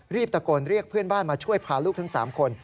ตะโกนเรียกเพื่อนบ้านมาช่วยพาลูกทั้ง๓คน